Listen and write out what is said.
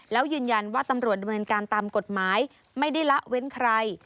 แล้วยืนยันว่าตำรวจดำเนินการตามกฎหมายไม่ได้ละเว้นใคร